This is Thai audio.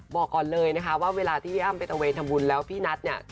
บอกก่อนเลยนะคะว่าเวลาที่พี่อ้ำไปตะเวนทำบุญแล้วพี่นัทเนี่ย